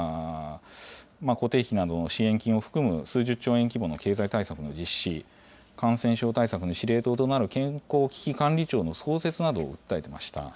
固定費などの支援金を含む数十兆円規模の経済対策の実施、感染症対策の司令塔となる健康危機管理庁の創設などを訴えていました。